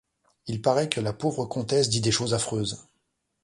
Il paraît que la pauvre comtesse dit des choses affreuses!